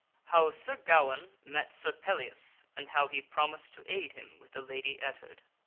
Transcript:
How Sir Gawaine Met Sir Pellias and How He Promised to Aid Him With the Lady Ettard.